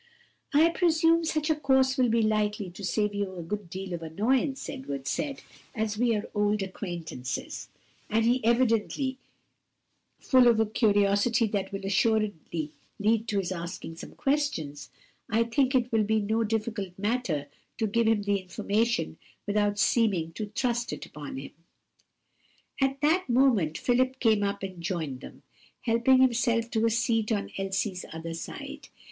"I presume such a course will be likely to save you a good deal of annoyance," Edward said; "and as we are old acquaintances, and he evidently full of a curiosity that will assuredly lead to his asking some questions, I think it will be no difficult matter to give him the information without seeming to thrust it upon him." At that moment Philip came up and joined them, helping himself to a seat on Elsie's other side.